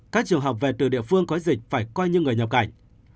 các trường hợp về từ địa phương có dịch phải coi như người nhập cảnh